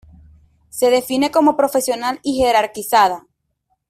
Se define como profesional y jerarquizada.